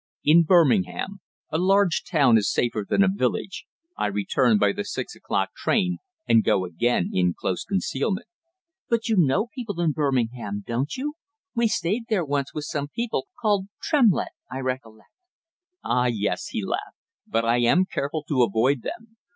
"In Birmingham. A large town is safer than a village. I return by the six o'clock train, and go again into close concealment." "But you know people in Birmingham, don't you? We stayed there once with some people called Tremlett, I recollect." "Ah, yes," he laughed. "But I am careful to avoid them.